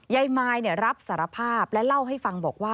ยายมายรับสารภาพและเล่าให้ฟังบอกว่า